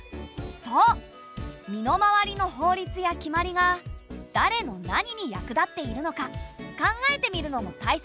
そう身の回りの法律や決まりがだれの何に役立っているのか考えてみるのもたいせつだぞ。